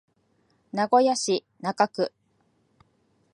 名古屋市中区